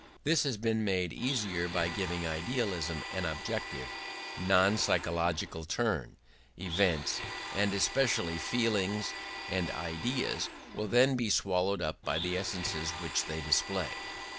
This has been made easier by giving idealism an objective, non psychological turn: events, and especially feelings and ideas, will then be swallowed up in the essences which they display.